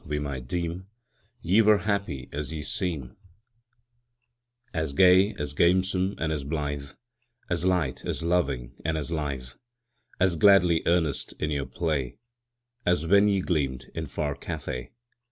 we might deem Ye were happy as ye seem As gay, as gamesome, and as blithe, As light, as loving, and as lithe, As gladly earnest in your play, As when ye gleamed in far Cathay.